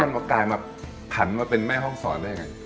แล้วมันกลายมาผันมาเป็นแม่ฮองศรได้ยังไง